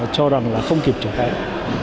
cho rằng là không kịp trở thành